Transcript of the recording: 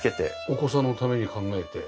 お子さんのために考えて？